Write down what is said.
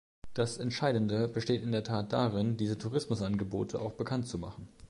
Das Entscheidende besteht in der Tat darin, diese Tourismusangebote auch bekannt zu machen.